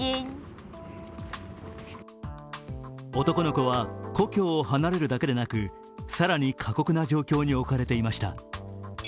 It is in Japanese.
男の子は故郷を離れるだけでなく、更に過酷な状況に置かれていました。